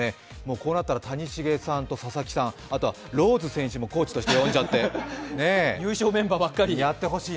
こうなったら谷繁さんと佐々木さん、あとはローズさんもコーチとして呼んじゃって、やってほしい。